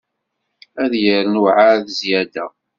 Ad yernu ɛad zyada.